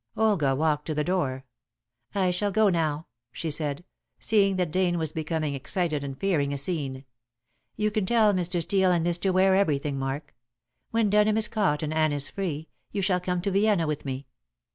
Olga walked to the door. "I shall go now," she said, seeing that Dane was becoming excited and fearing a scene. "You can tell Mr. Steel and Mr. Ware everything, Mark. When Denham is caught and Anne is free, you shall come to Vienna with me.